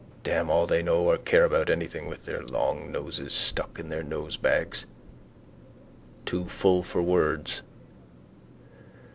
Damn all they know or care about anything with their long noses stuck in nosebags. Too full for words.